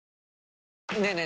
ねえねえ